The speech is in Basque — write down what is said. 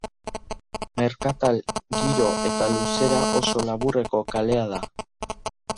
Merkatal giro eta luzera oso laburreko kalea da.